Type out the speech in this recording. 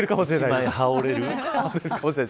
一枚羽織れるかもしれない。